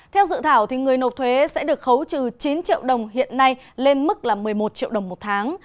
theo dự thảo người nộp thuế sẽ được khấu trừ chín triệu đồng hiện nay lên mức là một mươi một triệu đồng một tháng